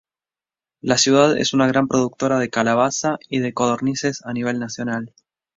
La ciudad es una gran productora de calabaza y de codornices a nivel nacional.